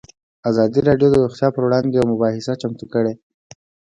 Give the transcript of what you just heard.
ازادي راډیو د روغتیا پر وړاندې یوه مباحثه چمتو کړې.